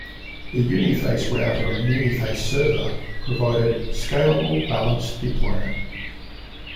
The Uniface Router and Uniface Server provided scalable, balanced deployment.